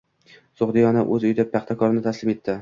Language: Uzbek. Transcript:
“So‘g‘diyona” o‘z uyida “Paxtakor”ni taslim etdi